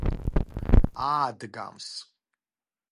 აადგამს